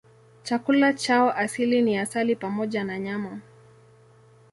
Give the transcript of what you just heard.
Chakula chao asili ni asali pamoja na nyama.